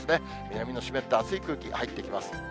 南の湿った熱い空気、入ってきます。